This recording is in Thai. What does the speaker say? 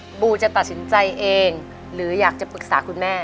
คุณบูจะตัดสินใจเองหรืออยากจะปรึกษาคุณแม่